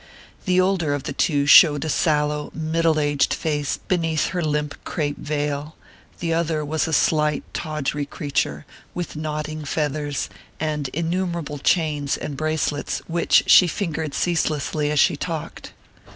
The older of the two showed a sallow middle aged face beneath her limp crape veil; the other was a slight tawdry creature, with nodding feathers, and innumerable chains and bracelets which she fingered ceaselessly as she talked.